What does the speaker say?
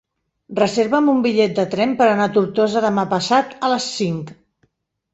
Reserva'm un bitllet de tren per anar a Tortosa demà passat a les cinc.